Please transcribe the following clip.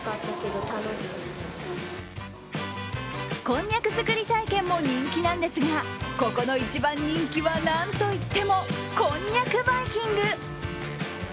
こんにゃく作り体験も人気なんですがここの一番人気は何といってもこんにゃくバイキング。